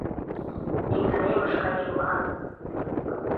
Эҥыремыш гай йолан.